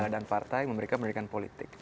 dan partai memberikan berikan politik